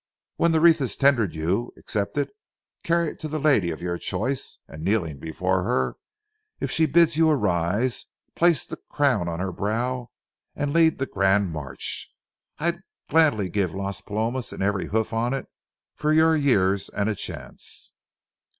When the wreath is tendered you, accept it, carry it to the lady of your choice, and kneeling before her, if she bids you arise, place the crown on her brow and lead the grand march. I'd gladly give Las Palomas and every hoof on it for your years and chance."